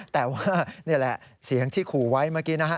แต่ว่านี่แหละเสียงที่ขู่ไว้เมื่อกี้นะฮะ